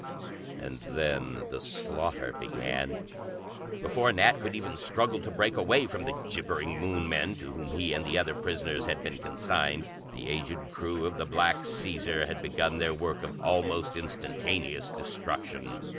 And then the slaughter began. Before Nat could even struggle to break away from the gibbering Moon men to whom he and the other prisoners had been consigned, the aged crew of the Black Caesar had begun their work of almost instantaneous destruction.